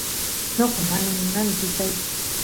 noqa mana munani pitay